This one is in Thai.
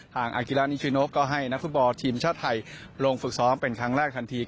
อากิรานิชิโนก็ให้นักฟุตบอลทีมชาติไทยลงฝึกซ้อมเป็นครั้งแรกทันที